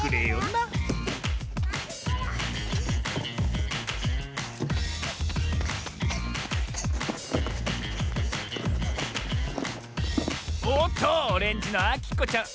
なおっとオレンジのあきこちゃん